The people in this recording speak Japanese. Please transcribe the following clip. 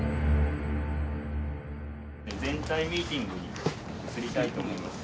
全体ミーティングに移りたいと思います。